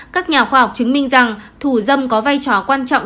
các nhà khoa học chứng minh rằng thủ dâm có vai trò quan trọng